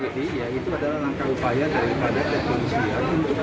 iya itu adalah langkah upaya daripada kepolisian untuk mencoba mengubarkan massa